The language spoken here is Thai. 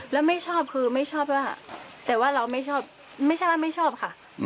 แล้วไม่ชอบคือไม่ชอบว่าแต่ว่าเราไม่ชอบไม่ใช่ว่าไม่ชอบค่ะ